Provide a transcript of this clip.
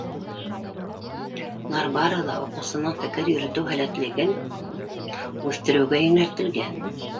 Улар барыһы ла уҡыусының фекер йөрөтөү һәләтлеген үҫтереүгә йүнәлтелгән.